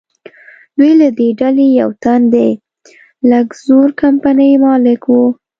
دوی له دې ډلې یو تن د لکزور کمپنۍ مالک و.